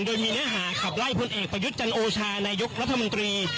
โดยมีเนื้อหาขับไล่พลเอกประยุทธ์จันโอชานายกรัฐมนตรี